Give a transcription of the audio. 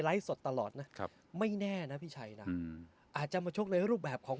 สดตลอดนะครับไม่แน่นะพี่ชัยนะอาจจะมาชกในรูปแบบของ